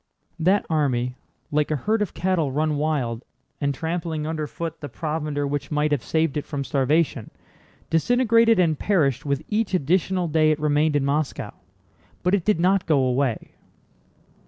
That army, like a herd of cattle run wild and trampling underfoot the provender which might have saved it from starvation, disintegrated and perished with each additional day it remained in Moscow. But it did not go away.